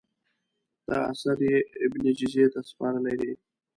دا اثر یې ابن جزي ته سپارلی دی.